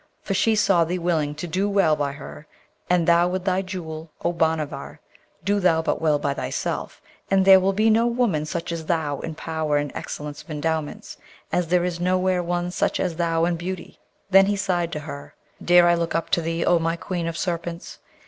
For she saw thee willing to do well by her; and thou with thy Jewel, O Bhanavar, do thou but well by thyself, and there will be no woman such as thou in power and excellence of endowments, as there is nowhere one such as thou in beauty.' Then he sighed to her, 'Dare I look up to thee, O my Queen of Serpents?'